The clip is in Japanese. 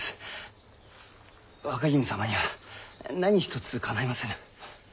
若君様には何一つかないませぬ。